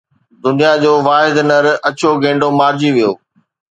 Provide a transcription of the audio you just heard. دنيا جو واحد نر اڇو گينڊو مارجي ويو